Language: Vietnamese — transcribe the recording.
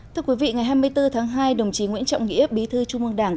thưa quý vị ngày hai mươi bốn tháng hai đồng chí nguyễn trọng nghĩa bí thư trung ương đảng